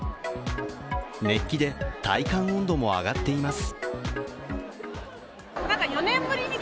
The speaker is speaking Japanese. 熱気で体感温度も上がっています。